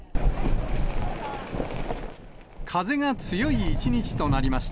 風が強い一日となりました。